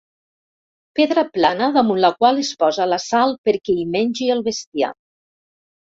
Pedra plana damunt la qual es posa la sal perquè hi mengi el bestiar.